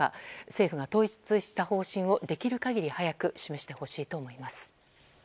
政府が統一した方針をできる限り早く示してほしいと思います。